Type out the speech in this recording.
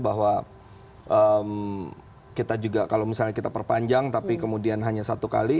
bahwa kita juga kalau misalnya kita perpanjang tapi kemudian hanya satu kali